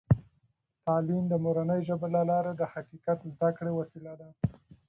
تعلیم د مورنۍ ژبې له لارې د حقیقت د زده کړې وسیله ده.